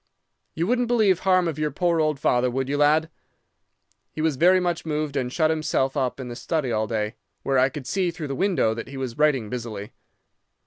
You wouldn't believe harm of your poor old father, would you, lad?" He was very much moved, and shut himself up in the study all day, where I could see through the window that he was writing busily.